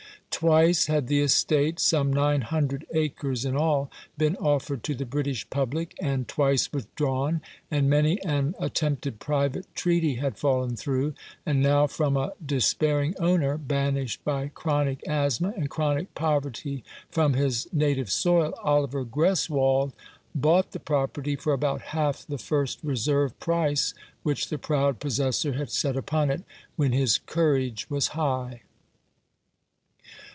Twice had the estate — some nine hundred acres in all — been offered to the British public, and twice withdrawn, and many an attempted private treaty had fallen through ; and now from a despair ing owner, banished by chronic asthma and chronic poverty from his native soil, Oliver Greswold bought the property for about half the first reserve price which the proud possessor had set upon it when his courage was high.